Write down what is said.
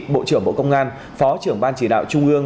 bộ trưởng bộ công an phó trưởng ban chỉ đạo trung ương